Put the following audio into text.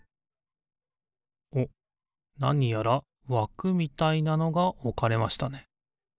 なにやらわくみたいなのがおかれましたね。